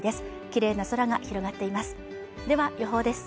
きれいな空が広がっていますでは予報です